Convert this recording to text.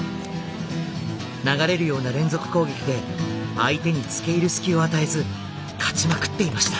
流れるような連続攻撃で相手につけいる隙を与えず勝ちまくっていました。